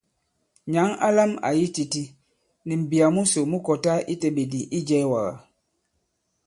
Nyǎŋ a lām àyi titī, nì m̀mbìyà musò mu kɔtā i teɓèdì̀ i ijɛ̄ɛ̄wàgà.